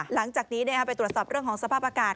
หลังจากนี้ไปตรวจสอบเรื่องของสภาพอากาศ